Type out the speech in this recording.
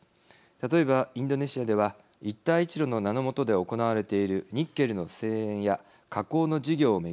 例えばインドネシアでは一帯一路の名の下で行われているニッケルの精錬や加工の事業を巡り